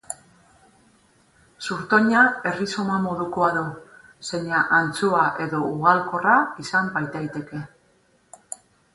Zurtoina errizoma modukoa du, zeina antzua edo ugalkorra izan baitaiteke.